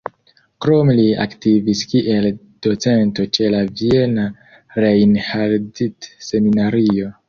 Krome li aktivis kiel docento ĉe la Viena Reinhardt-Seminario.